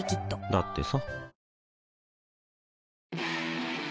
だってさ